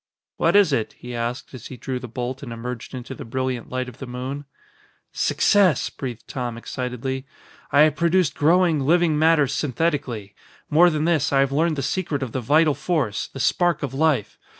"What is it?" he asked, as he drew the bolt and emerged into the brilliant light of the moon. "Success!" breathed Tom excitedly. "I have produced growing, living matter synthetically. More than this, I have learned the secret of the vital force the spark of life.